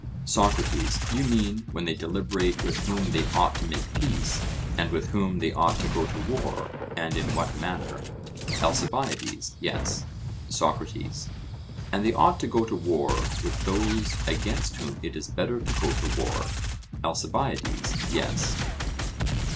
SOCRATES: You mean, when they deliberate with whom they ought to make peace, and with whom they ought to go to war, and in what manner? ALCIBIADES: Yes. SOCRATES: And they ought to go to war with those against whom it is better to go to war? ALCIBIADES: Yes.